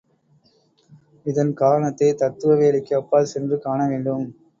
இதன் காரணத்தை தத்துவ வேலிக்கு அப்பால் சென்று காணவேண்டும்.